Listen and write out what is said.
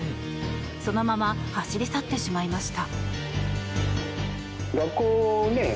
そのまま走り去ってしまいました。